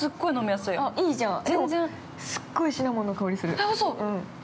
◆すっごいシナモンの香りする。